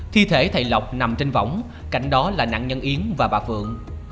thi thể thầy lộc nằm trên võng cảnh đó là nạn nhân yến và bà phượng